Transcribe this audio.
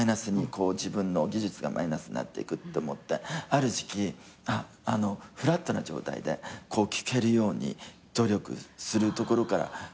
自分の技術がマイナスになっていくって思ってある時期フラットな状態で聞けるように努力するところから始まって。